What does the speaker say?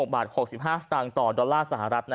๖บาท๖๕สตางค์ต่อดอลลาร์สหรัฐ